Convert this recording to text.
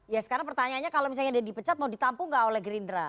ya sekarang pertanyaannya kalau misalnya dia dipecat mau ditampung nggak oleh gerindra